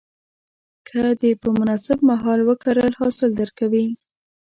که دې په مناسب مهال وکرل، حاصل درکوي.